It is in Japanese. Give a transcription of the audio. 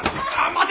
待て！